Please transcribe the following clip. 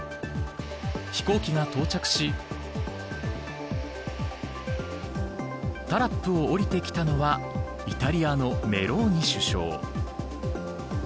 飛行機が到着しタラップを降りてきたのはイタリアのメローニ首相。